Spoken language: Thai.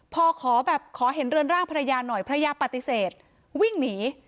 พอขอแบบขอเห็นเรือนร่างภรรยาหน่อยภรรยาปฏิเสธวิ่งหนี